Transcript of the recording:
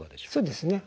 そうですね。